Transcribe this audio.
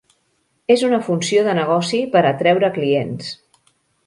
És una funció de negoci per atreure clients.